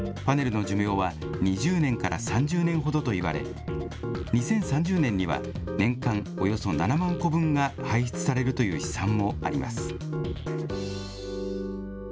パネルの寿命は２０年から３０年ほどといわれ、２０３０年には、年間およそ７万戸分が排出されるという試算もあります。